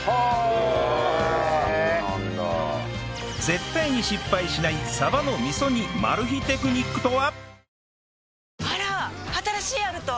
絶対に失敗しないサバの味噌煮マル秘テクニックとは？